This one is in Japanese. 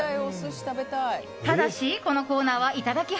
ただしこのコーナーはいただき！